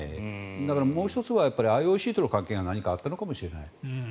だから、もう１つはＩＯＣとの関係が何かあったのかもしれない。